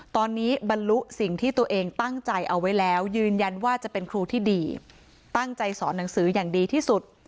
ตอนนี้บรรลุสิ่งที่ตัวเองตั้งใจเอาไว้แล้วยืนยันว่าจะเป็นครูที่ดีตั้งใจสอนหนังสืออย่างดีที่สุด